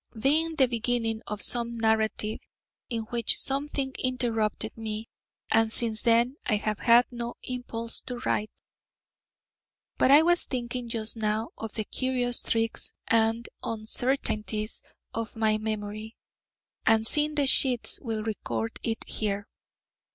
being the beginning of some narrative in which something interrupted me: and since then I have had no impulse to write. But I was thinking just now of the curious tricks and uncertainties of my memory, and seeing the sheets, will record it here.